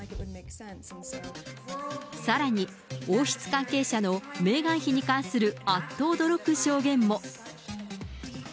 さらに王室関係者のメーガン妃に関するあっと驚く証言も。